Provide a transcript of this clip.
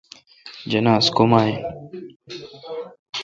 جناز کوما این۔